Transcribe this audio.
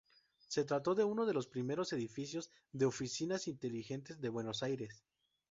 Se trató de uno de los primeros edificios de oficinas "inteligentes" de Buenos Aires.